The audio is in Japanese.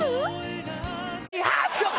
ハクション！